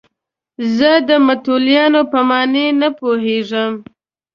زه د متولیانو په معنی نه پوهېدم.